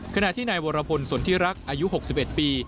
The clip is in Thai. ขณะที่ในวรพลศนทิรักษ์อายุ๖๑ปี